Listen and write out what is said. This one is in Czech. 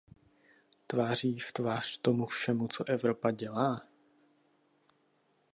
Tváří v tvář tomu všemu, co Evropa dělá?